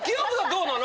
どうなの？